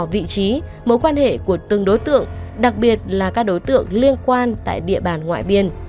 vị trí mối quan hệ của từng đối tượng đặc biệt là các đối tượng liên quan tại địa bàn ngoại biên